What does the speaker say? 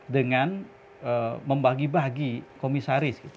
dengan membagi bagi komisaris